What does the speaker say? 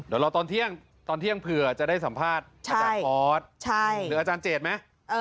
เดี๋ยวรอตอนเที่ยงตอนเที่ยงเผื่อจะได้สัมภาษณ์อาจารย์ออสหรืออาจารย์เจตไหม